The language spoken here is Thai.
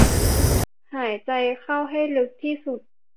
หายใจเข้าให้ลึกที่สุด